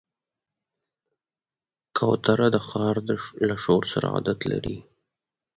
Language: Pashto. کوتره د ښار له شور سره عادت لري.